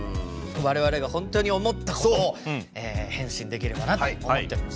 我々が本当に思ったことを返信できればなと思ってます。